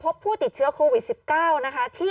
กล้องกว้างอย่างเดียว